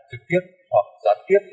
trực tiếp hoặc gián tiếp